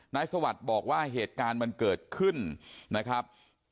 สวัสดิ์บอกว่าเหตุการณ์มันเกิดขึ้นนะครับ